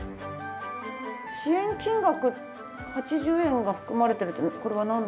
支援金額８０円が含まれてるってこれはなんですか？